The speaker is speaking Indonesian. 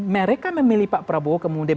mereka memilih pak prabowo kemudian